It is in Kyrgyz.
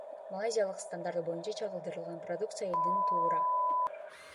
Малайзиялык стандарт боюнча чыгарылган продукция элдин туура